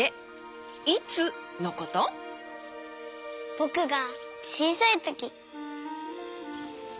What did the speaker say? ぼくがちいさいとき。